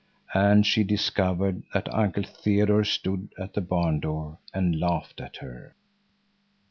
And she discovered that Uncle Theodore stood at the barn door and laughed at her.